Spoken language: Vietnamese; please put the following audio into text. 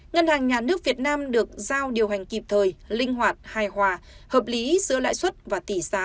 ngân hàng nhà nước việt nam được giao điều hành kịp thời linh hoạt hài hòa hợp lý giữa lãi suất và tỷ giá